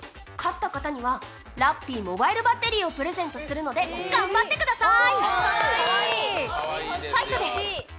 勝った方にはラッピーモバイルバッテリーをプレゼントするので頑張ってください。